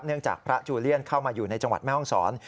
จากพระจูเลียนเข้ามาอยู่ในจังหวัดแม่ห้องศร